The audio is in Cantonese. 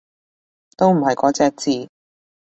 都唔係嗰隻字